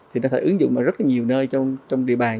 thì ta thể ứng dụng ở rất nhiều nơi trong địa bàn